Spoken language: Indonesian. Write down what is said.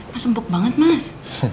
mas empuk banget mas